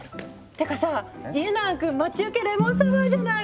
てかさ家長くん待ち受けレモンサワーじゃない！